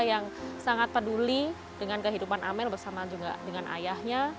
yang sangat peduli dengan kehidupan amel bersama juga dengan ayahnya